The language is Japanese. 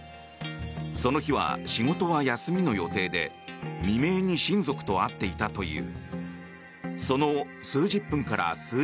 その日は仕事は休みの予定で未明に親族と会っていたという。